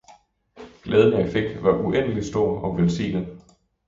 Glæden, jeg fik, var uendelig stor og velsignet!